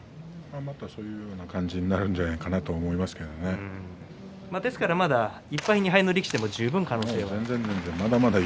またそういうふうな感じになるんじゃないかなとまだ１敗２敗の力士でも十分、可能性がありますね。